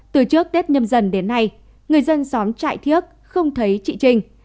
từ trước tết nhâm dần đến nay người dân xóm trại thiếc không thấy chị trinh